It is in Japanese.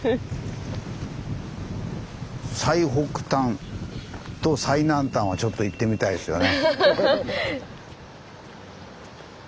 最北端と最南端はちょっと行ってみたいですよね。